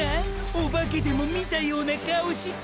オバケでも見たような顔して。